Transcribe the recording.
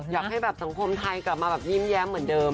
อยากให้แบบสังคมไทยกลับมาแบบยิ้มแย้มเหมือนเดิม